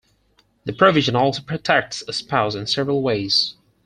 The provision also protects a spouse in several ways.